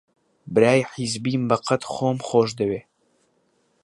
برای حیزبیم بەقەد خۆم خۆش دەوێ